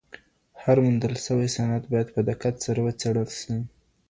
هر موندل سوی سند باید په دقت سره وڅېړل سی.